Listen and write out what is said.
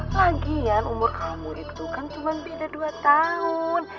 lagian umur kamu itu kan cuman beda dua tahun